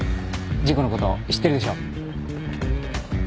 事故のこと知ってるでしょ？